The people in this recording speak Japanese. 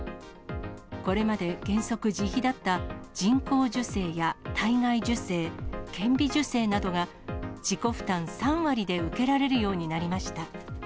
これまで原則自費だった人工授精や体外受精、顕微授精などが、自己負担３割で受けられるようになりました。